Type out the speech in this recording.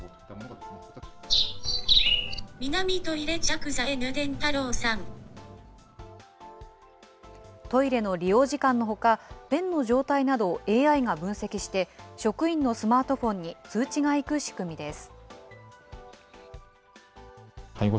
南トイレ着座、トイレの利用時間のほか、便の状態など、ＡＩが分析して、職員のスマートフォンに通知が行く仕組みです。